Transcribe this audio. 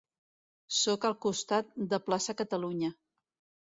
Soc al costat de Plaça Catalunya.